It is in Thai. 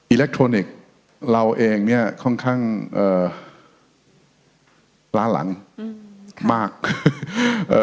อิเล็กทรอนิกส์เราเองเนี้ยค่อนข้างเอ่อล้านหลังอืมมากเอ่อ